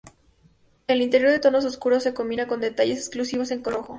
El interior de tonos oscuros se combina con detalles exclusivos en color rojo.